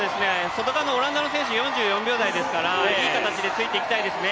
外側のオランダの選手４４秒台ですから、いい形でついていきたいですね。